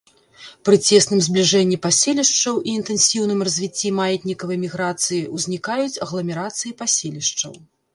Пры цесным збліжэнні паселішчаў і інтэнсіўным развіцці маятнікавай міграцыі ўзнікаюць агламерацыі паселішчаў.